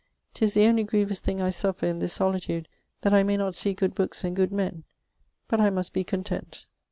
'Tis the onely grievous thing I suffer in this solitude that I may not see good bookes and good men, but I must be content.